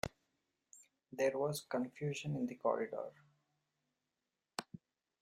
There was confusion in the corridor.